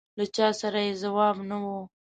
له چا سره یې ځواب نه و.